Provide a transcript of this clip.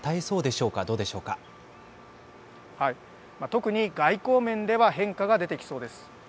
特に外交面では変化が出てきそうです。